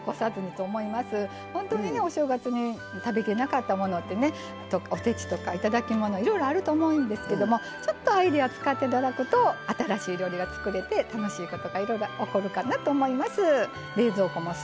本当に、お正月に食べきれなかったものってねおせちとか頂き物いろいろあると思うんですけどもちょっとアイデアを使っていただきますと新しい料理が作れて楽しいことがいろいろ起こるかなと思います。